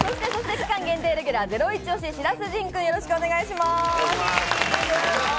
期間限定レギュラー、ゼロイチ推し、白洲迅くん、よろしくお願いします。